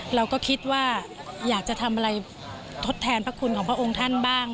เราก็คิดว่าอยากจะทำอะไรทดแทนพระคุณของพระองค์ท่านบ้าง